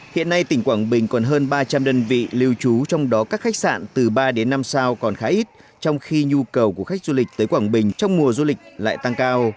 hiện nay tỉnh quảng bình còn hơn ba trăm linh đơn vị lưu trú trong đó các khách sạn từ ba đến năm sao còn khá ít trong khi nhu cầu của khách du lịch tới quảng bình trong mùa du lịch lại tăng cao